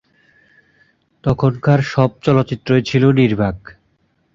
তখনকার সব চলচ্চিত্রই ছিল নির্বাক।